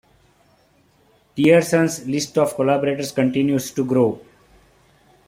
Tiersen's list of collaborators continues to grow.